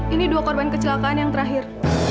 ini dua korban kecelakaan yang terakhir